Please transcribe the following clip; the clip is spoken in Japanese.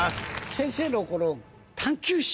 先生のこの。